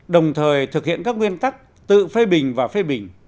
đồng thời thực hiện các nguyên tắc tự phê bình và phê bình